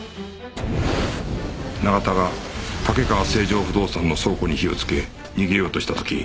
永田が竹川成城不動産の倉庫に火をつけ逃げようとした時